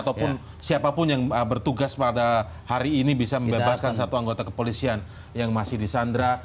ataupun siapapun yang bertugas pada hari ini bisa membebaskan satu anggota kepolisian yang masih di sandra